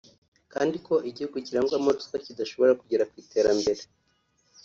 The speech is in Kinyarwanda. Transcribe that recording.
kandi ko igihugu kirangwamo ruswa kidashobora kugera ku iterambere